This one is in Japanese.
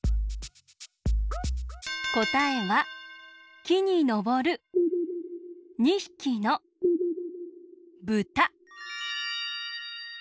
こたえはきにのぼる２ひきのブタ。